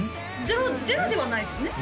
ゼロゼロではないですよね